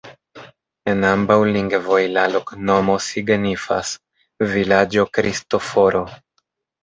En ambaŭ lingvoj la loknomo signifas: vilaĝo Kristoforo.